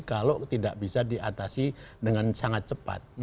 kalau tidak bisa diatasi dengan sangat cepat